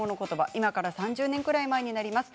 今から３０年くらい前になります。